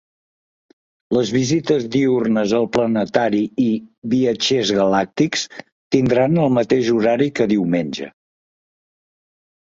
Les visites diürnes al planetari i “Viatgers galàctics” tindran el mateix horari que diumenge.